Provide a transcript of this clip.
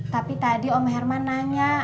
tapi tadi om herman nanya